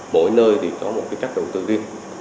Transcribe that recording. mỗi nơi thì có một cái cách đầu tư riêng